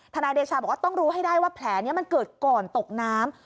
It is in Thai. นายเดชาบอกว่าต้องรู้ให้ได้ว่าแผลนี้มันเกิดก่อนตกน้ำ